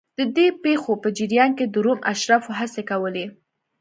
د دې پېښو په جریان کې د روم اشرافو هڅې کولې